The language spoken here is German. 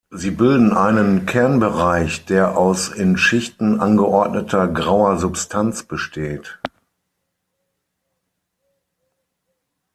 Sie bilden einen Kernbereich, der aus in Schichten angeordneter grauer Substanz besteht.